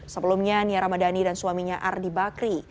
sebelumnya nia ramadhani dan suaminya ardi bakri